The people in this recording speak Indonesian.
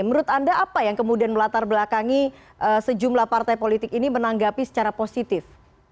menurut anda apa yang kemudian melatar belakangi sejumlah partai politik ini menanggapi secara positif